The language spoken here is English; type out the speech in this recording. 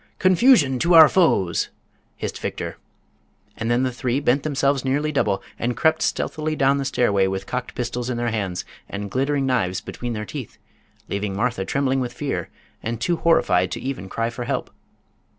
"Confusion to our foes!" hissed Victor. And then the three bent themselves nearly double and crept stealthily down the stairway with cocked pistols in their hands and glittering knives between their teeth, leaving Martha trembling with fear and too horrified to even cry for help.